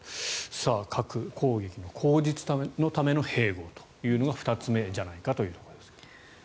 核攻撃の口実のための併合というのが２つ目じゃないかというところですが。